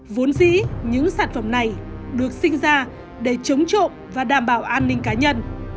vốn dĩ những sản phẩm này được sinh ra để chống trộm và đảm bảo an ninh cá nhân